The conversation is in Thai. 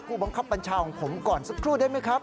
ผู้บังคับบัญชาของผมก่อนสักครู่ได้ไหมครับ